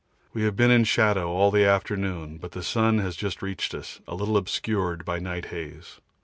We have been in shadow all the afternoon, but the sun has just reached us, a little obscured by night haze.